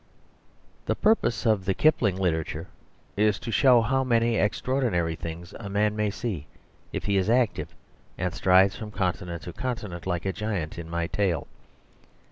The purpose of the Kipling literature is to show how many extraordinary things a man may see if he is active and strides from continent to continent like the giant in my tale.